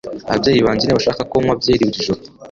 Ababyeyi banjye ntibashaka ko nywa byeri buri joro.